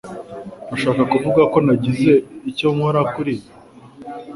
Urashaka kuvuga ko nagize icyo nkora kuri ibi?